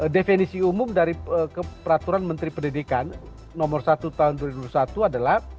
definisi umum dari peraturan menteri pendidikan nomor satu tahun dua ribu dua puluh satu adalah